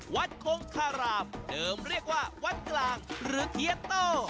คงคารามเดิมเรียกว่าวัดกลางหรือเฮียโต้